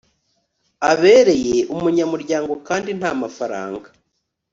abereye umunyamuryango kandi ntamafaranga